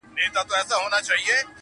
• څوک و یوه او څوک وبل ته ورځي,